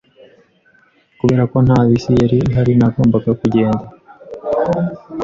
Kubera ko nta bisi yari ihari, nagombaga kugenda.